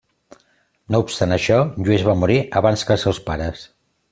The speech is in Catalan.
No obstant això, Lluís va morir abans que els seus pares.